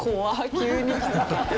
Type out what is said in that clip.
急に。